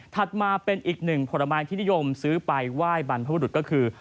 มาเป็นอีกหนึ่งผลไม้ที่นิยมซื้อไปไหว้บรรพบุรุษก็คือ